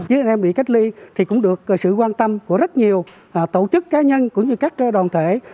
với anh em bị cách ly thì cũng được sự quan tâm của rất nhiều tổ chức cá nhân cũng như các đoàn thể